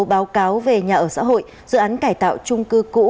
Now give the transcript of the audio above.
báo cáo về nhà ở xã hội dự án cải tạo trung cư cũ